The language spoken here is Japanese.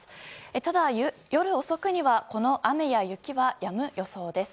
ただ、夜遅くにはこの雨や雪はやむ予想です。